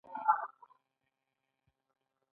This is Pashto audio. په پانګوالي نظام کې ځمکوال یوازې د یوې برخې مالکان دي